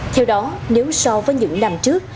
theo đó nếu so với những năm trước